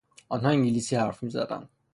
آنها انگلیسی حرف میزنند.